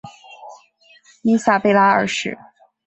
伊莎贝拉二世。